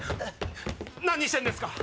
何してんですか！